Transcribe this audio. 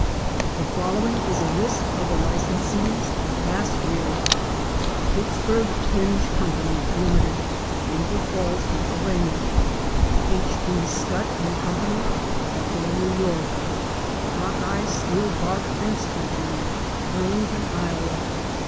The following is a list of the licensees of last year: Pittsburg Hinge Co.—Limited, Beaver Falls, Pa. H.B. Scutt & Co., Buffalo, N.Y. Hawkeye Steel Barb Fence Co., Burlington, Iowa.